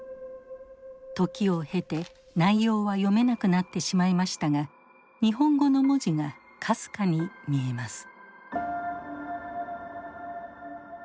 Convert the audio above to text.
時を経て内容は読めなくなってしまいましたが日本語の文字がかすかに見えます。